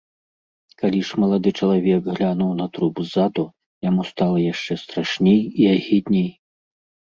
Калі ж малады чалавек глянуў на труп ззаду, яму стала яшчэ страшней і агідней.